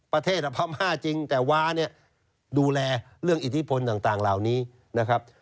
ประเทศพม่าจริงแต่วาเนี่ยดูแลเรื่องอิทธิพลต่างเหล่านี้นะครับ